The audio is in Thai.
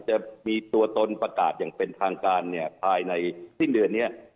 จะมีตัวตนประกาศอย่างเป็นทางการเนี่ยภายในสิ้นเดือนนี้